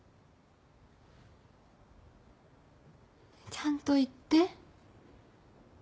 ちゃんと言って。